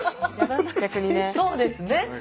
そうですね。